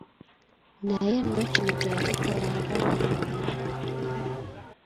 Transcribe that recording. Naye nno kino teyakikolanga buli omu.